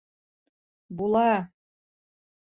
Була!